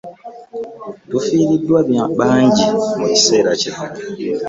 Tufiridwa banji mu kiseera kino .